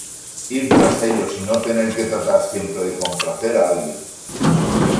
Ir tras ellos y no tener que tratar siempre de complacer a alguien.